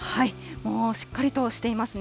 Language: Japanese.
もうしっかりとしていますね。